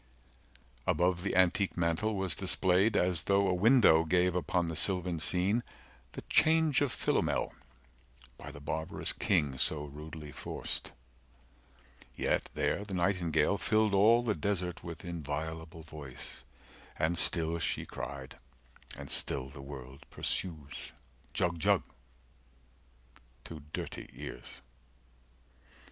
Above the antique mantel was displayed As though a window gave upon the sylvan scene The change of Philomel, by the barbarous king So rudely forced; yet there the nightingale 100 Filled all the desert with inviolable voice And still she cried, and still the world pursues, "Jug Jug" to dirty ears.